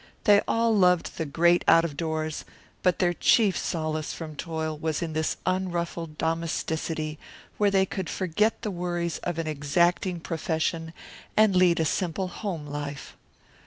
They all loved the great out of doors, but their chief solace from toil was in this unruffled domesticity where they could forget the worries of an exacting profession and lead a simple home life.